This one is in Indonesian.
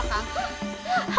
aku tidak mungkin menyakitinya